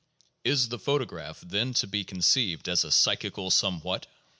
Is the photograph, then, to be conceived as a psychical somewhat?